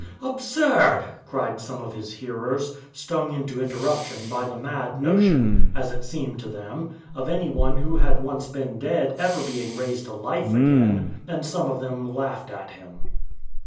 " Pshaw ! Absurd !" cried some of his hearers, stung into interruption by the mad notion — as it seemed to them — of anyone who had once been dead ever being raised to life again. And some of them laughed at him.